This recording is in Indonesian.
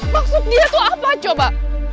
maksud dia tuh apa coba